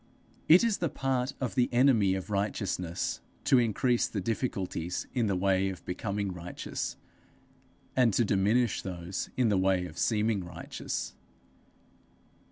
It is the part of the enemy of righteousness to increase the difficulties in the way of becoming righteous, and to diminish those in the way of seeming righteous.